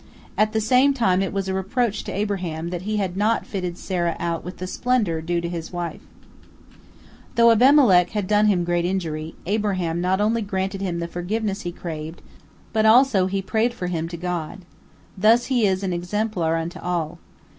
At the same time it was a reproach to Abraham, that he had not fitted Sarah out with the splendor due to his wife. Though Abimelech had done him great injury, Abraham not only granted him the forgiveness he craved, but also he prayed for him to God. Thus he is an exemplar unto all.